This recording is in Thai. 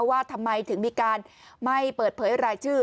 ว่าทำไมถึงมีการไม่เปิดเผยรายชื่อ